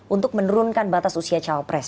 untuk menurunkan batas usia cawa pres